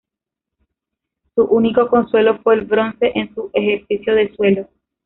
Su único consuelo fue el bronce en su ejercicio de suelo.